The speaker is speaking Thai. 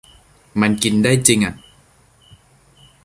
มันกันได้จิงอ่ะ